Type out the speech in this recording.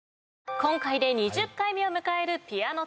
今回で２０回目を迎えるピアノＴＥＰＰＥＮ。